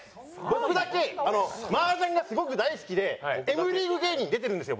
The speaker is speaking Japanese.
僕だけ麻雀がすごく大好きでＭリーグ芸人出てるんですよ